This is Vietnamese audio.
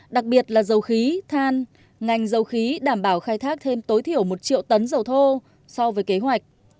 đặc biệt là dầu khí than ngành dầu khí đảm bảo khai thác thêm tối thiểu một triệu tấn dầu thô so với kế hoạch